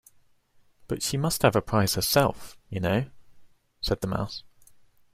‘But she must have a prize herself, you know,’ said the Mouse.